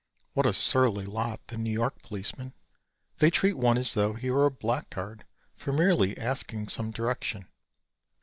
What a surly lot, the New York policemen. They treat one as though he were a blackguard for merely asking some direction.